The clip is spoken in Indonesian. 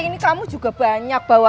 ini kamu juga banyak bawa bawa